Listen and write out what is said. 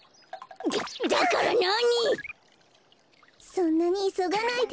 そんなにいそがないで。